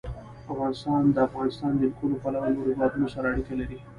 افغانستان د د افغانستان جلکو له پلوه له نورو هېوادونو سره اړیکې لري.